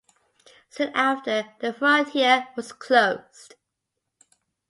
Soon after, the frontier was closed.